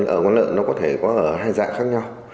ở quán lợn nó có thể có hai dạng khác nhau